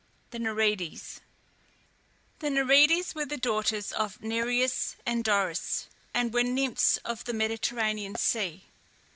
THE NEREIDES. The NEREIDES were the daughters of Nereus and Doris, and were nymphs of the Mediterranean Sea.